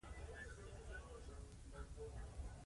د ډنمارک مرکز د کوپنهاګن ښار دی